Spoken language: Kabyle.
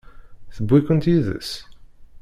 Tewwi-kent yid-s?